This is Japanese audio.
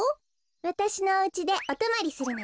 わたしのおうちでおとまりするのよ。